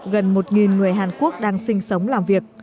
gần một người hàn quốc đang sinh sống làm việc